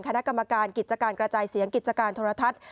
คณะกรรมการกกระจายเสียงกโทรทัศน์